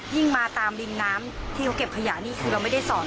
มาตามริมน้ำที่เขาเก็บขยะนี่คือเราไม่ได้สอน